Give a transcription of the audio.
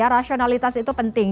rasionalitas itu penting